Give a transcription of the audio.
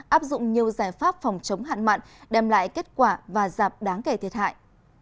áp dụng nhiều giải pháp phòng chống hạn mặn đem lại kết quả và giảm đáng kể thiệt hại